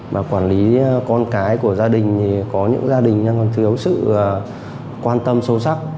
mà quản lý con cái của gia đình thì có những gia đình đang còn thiếu sự quan tâm sâu sắc